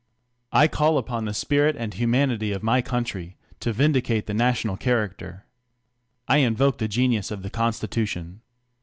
I call upon the spirit and humanity of my country, to vindi cate the national character, I invoke the genius of the constitution.